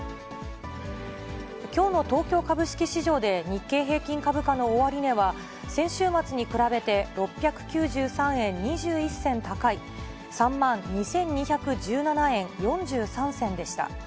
きょうの東京株式市場で、日経平均株価の終値は、先週末に比べて６９３円２１銭高い、３万２２１７円４３銭でした。